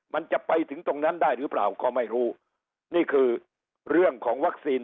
มันจะไปถึงตรงนั้นได้หรือเปล่าก็ไม่รู้นี่คือเรื่องของวัคซีน